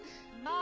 あ。